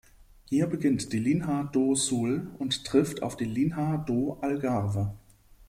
Hier beginnt die Linha do Sul und trifft auf die Linha do Algarve.